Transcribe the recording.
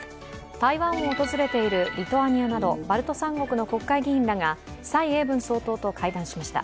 台湾と訪れているリトアニアなどバルト三国の国会議員らが蔡英文総統と会談しました。